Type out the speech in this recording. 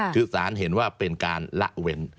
คือสารเห็นว่าเป็นการละเว้น